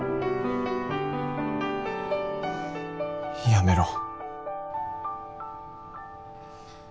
やめろ